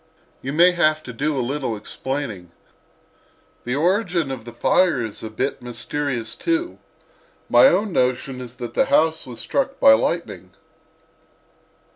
You may have to do a little explaining. The origin of the fire is a bit mysterious, too. My own notion is that the house was struck by lightning."